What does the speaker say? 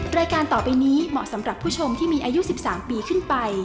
รายการต่อไปนี้เหมาะสำหรับผู้ชมที่มีอายุ๑๓ปีขึ้นไป